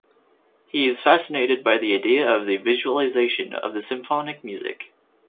He is fascinated by the idea of the "visualization" of symphonic music.